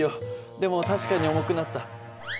でも確かに重くなった。